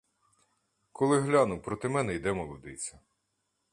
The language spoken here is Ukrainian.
Коли гляну, проти мене йде молодиця.